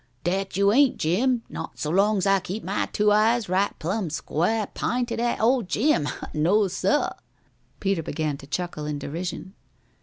"Dat you ain't, Jim! Not so long's I keep my two eyes right plumb squaah pinted at ol' Jim. No, seh!" Peter began to chuckle in derision.